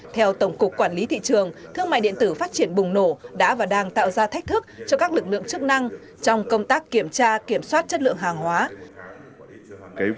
theo tổng cục quản lý thị trường thương mại điện tử phát triển bùng nổ đã và đang tạo ra thách thức cho các lực lượng chức năng trong công tác kiểm tra kiểm soát chất lượng hàng hóa